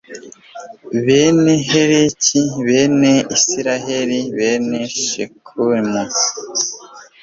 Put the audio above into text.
bene heleki, bene asiriyeli, bene shekemu